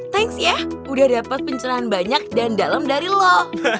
thanks ya udah dapat pencerahan banyak dan dalam dari lo